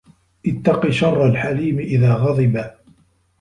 اتق شر الحليم اذا غضب